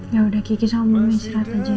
yaudah kiki sama mama istirahat aja ya